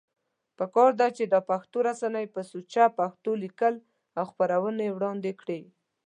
پکار ده چې دا پښتو رسنۍ په سوچه پښتو ليکل او خپرونې وړاندی کړي